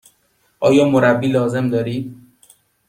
آیا مربی لازم دارید؟